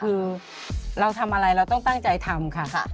คือเราทำอะไรเราต้องตั้งใจทำค่ะ